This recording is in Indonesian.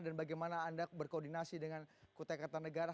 dan bagaimana anda berkoordinasi dengan kutai kartanegara